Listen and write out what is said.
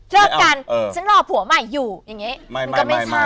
เฮ้ยเลิกกันเออฉันรอผัวใหม่อยู่อย่างเงี้ยไม่ไม่ไม่มันก็ไม่ใช่